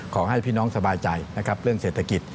ขอให้พี่น้องสบายใจนะครับเรื่องเศรษฐกิจ